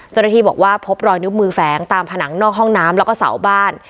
เจ้าหน้าที่บอกว่าพบรอยนิ้วมือแฝงตามผนังนอกห้องน้ำแล้วก็เสาบ้าน